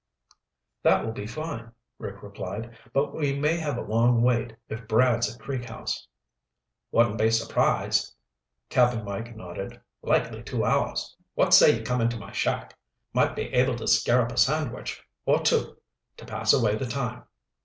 "That will be fine," Rick replied. "But we may have a long wait if Brad's at Creek House." "Wouldn't be surprised," Cap'n Mike nodded. "Likely two hours. What say you come into my shack? Might be able to scare up a sandwich or two to pass away the time."